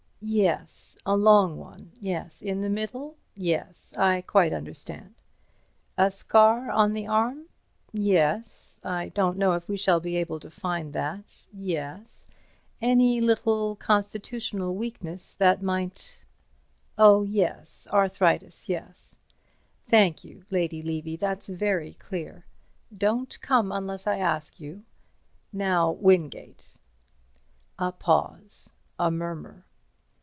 Yes—a long one—yes—in the middle? Yes, I quite understand—a scar on the arm? Yes, I don't know if we shall be able to find that—yes—any little constitutional weakness that might—? Oh, yes—arthritis—yes—thank you, Lady Levy—that's very clear. Don't come unless I ask you to. Now, Wingate." A pause. A murmur.